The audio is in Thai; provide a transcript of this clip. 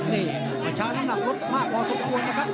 นี่ประชาน้ำหนักลดมากพอสมควรนะครับ